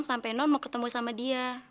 sampai non mau ketemu sama dia